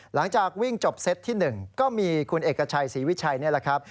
หลังจากวิ่งจบเซตที่๑ก็มีคุณเอกชัยศรีวิชัยนี่แหละครับ